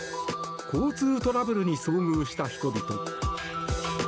交通トラブルに遭遇した人々。